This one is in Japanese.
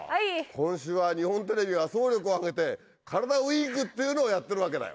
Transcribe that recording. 今週は日本テレビが総力を挙げて「カラダＷＥＥＫ」っていうのをやってるわけだよ。